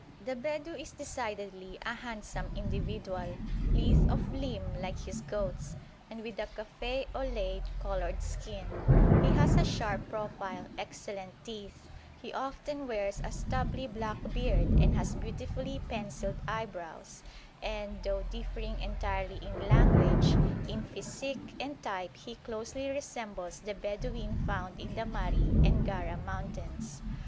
The Bedou is decidedly a handsome individual, lithe of limb like his goats, and with a café au lait coloured skin; he has a sharp profile, excellent teeth; he often wears a stubbly black beard and has beautifully pencilled eyebrows, and, though differing entirely in language, in physique and type he closely resembles the Bedouin found in the Mahri and Gara mountains.